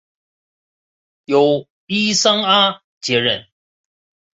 由伊桑阿接任。